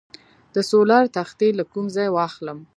د سولر تختې له کوم ځای واخلم؟